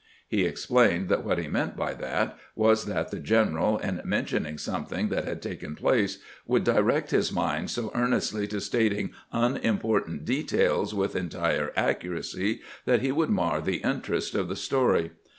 He explained that what he meant by that was that the general, in men tioning something that had taken place, would direct his mind so earnestly to stating unimportant details with entire accuracy that he would mar the interest of the story.